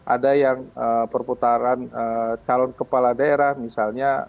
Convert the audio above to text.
ada yang perputaran calon kepala daerah misalnya